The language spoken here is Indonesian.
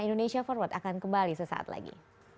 indonesia forward akan kembali sesaat lagi